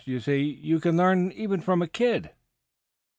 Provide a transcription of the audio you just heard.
You see, you can learn even from a kid."